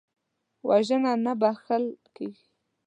وژنه نه بخښل کېږي